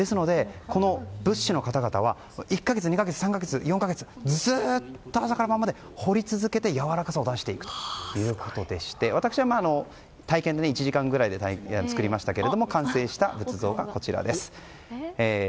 仏師の方々は４か月ずっと朝から晩まで彫り続けてやわらかさを出していくということで私は体験を１時間くらいで作りまして完成した仏像がこちらです。